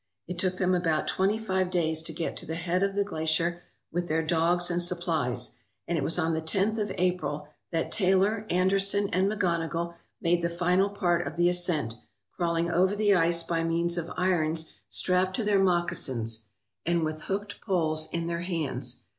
It took them about twenty five days to get to the head of the glacier with their dogs and supplies, and it was on the tenth of April that Taylor, Anderson, and McGonogill made the final part of the ascent, crawling over the ice by means of irons strapped to their moccasins and with 285 ALASKA OUR NORTHERN WONDERLAND hooked poles in their hands.